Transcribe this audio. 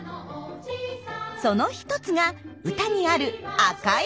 その一つが歌にある「赤い鼻」。